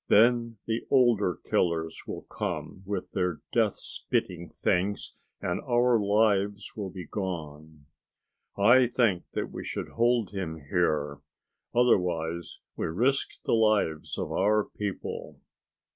Then the older killers will come with their death spitting things and our lives will be gone. I think that we should hold him here. Otherwise we risk the lives of our people."